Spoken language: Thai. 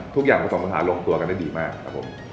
ทุกอย่างก็ส่งสังหารกตัวกันได้ดีมากครับผม